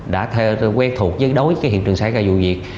đã quen thuộc với đối với hiện trường xảy ra vụ việc